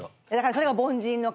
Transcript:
それが凡人の考え。